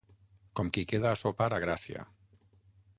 Com qui queda a sopar a Gràcia.